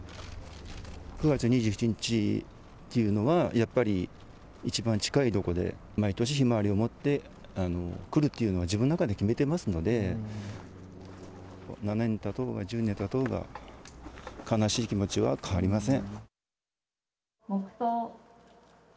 ９月２７日というのは、やっぱり一番近いところで毎年ひまわりを持って来るというのが自分の中で決めていますので７年たとうが１０年たとうが悲しい気持ちは変わりません。